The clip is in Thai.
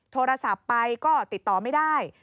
โทรศัพท์ไปก็ติดต่อไม่ได้